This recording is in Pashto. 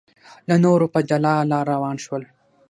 له نورو په جلا لار روان شول.